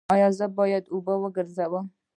ایا زه باید په اوبو وګرځم؟